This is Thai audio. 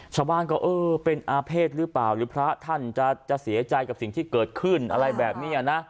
ชาวบ้านก็เออเป็นอาเภษหรือเปล่าหรือพระท่านจะเสียใจกับสิ่งที่เกิดขึ้นอะไรแบบนี้นะ